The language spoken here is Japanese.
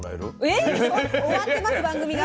えっ⁉終わってます番組が。